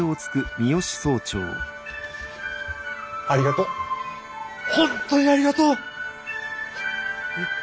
ありがとう。